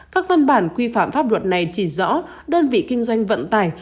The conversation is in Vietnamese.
các văn bản quy phạm pháp luật này chỉ rõ đơn vị kinh doanh vận tải